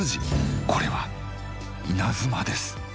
これは稲妻です。